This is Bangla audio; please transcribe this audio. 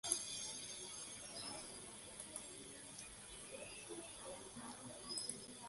গুহাটা আবার ঢোকার উপযুক্ত হতে আট মাস সময় লাগে।